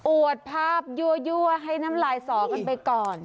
วดภาพยั่วให้น้ำลายสอกันไปก่อน